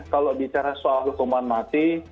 kalau bicara soal hukuman mati